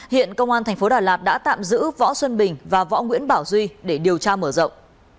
hiện công an tp đà lạt đã tạm giữ võ xuân bình và võ nguyễn bảo duy để điều tra mở rộng